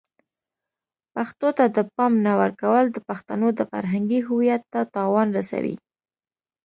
پښتو ته د پام نه ورکول د پښتنو د فرهنګی هویت ته تاوان رسوي.